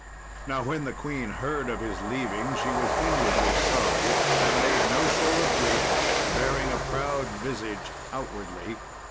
Now when the queen heard of his leaving she was inwardly sorry, but made no show of grief, bearing a proud visage outwardly.